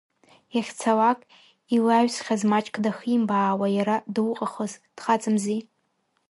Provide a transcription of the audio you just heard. Иахьцалак илаҩсхьаз маҷк дахимбаауа иара дауҟахыз, дхаҵамзи.